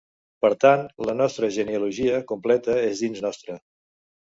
Per tant, la nostra genealogia completa és dins nostre.